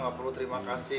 gak perlu terima kasih